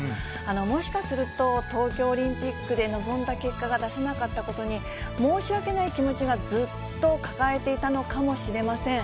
もしかすると、東京オリンピックで望んだ結果が出せなかったことに、申し訳ない気持ちがずっと抱えていたのかもしれません。